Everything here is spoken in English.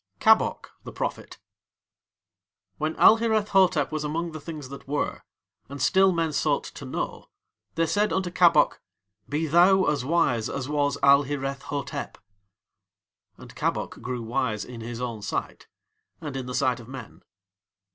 KABOK THE PROPHET When Alhireth Hotep was among the Things that Were, and still men sought to know, they said unto Kabok: "Be thou as wise as was Alhireth Hotep." And Kabok grew wise in his own sight and in the sight of men.